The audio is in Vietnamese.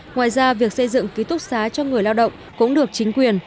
ngoài ra việc xây dựng ký túc xá cho người lao động cũng được chính quyền